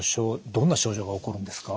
どんな症状が起こるんですか？